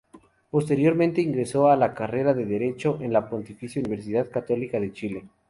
Posteriormente, ingresó a la carrera de Derecho en la Pontificia Universidad Católica de Chile.